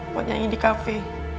buat nyanyi di kafe